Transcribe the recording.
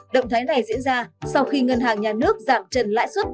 động thái này diễn ra sau khi ngân hàng nhà nước giảm trần lãi suất